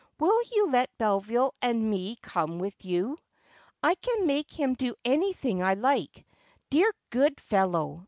"Will you let Beville and me come with you 1 I can make him do anything I like, dear good fellow.